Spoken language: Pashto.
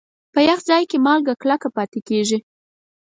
په یخ ځای کې مالګه کلکه پاتې کېږي.